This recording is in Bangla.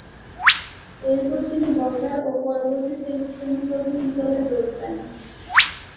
এরপর তিনি বর্ডার ও পরবর্তীতে ইস্টার্ন প্রভিন্স দলে যোগ দেন।